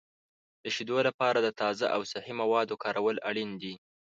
د شیدو لپاره د تازه او صحي موادو کارول اړین دي.